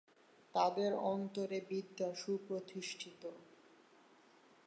তাঁদের অন্তরে বিদ্যা সুপ্রতিষ্ঠিত।